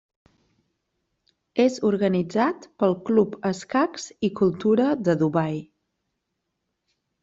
És organitzat pel Club escacs i cultura de Dubai.